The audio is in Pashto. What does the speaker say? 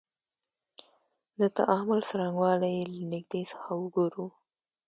د تعامل څرنګوالی یې له نیږدې څخه وګورو.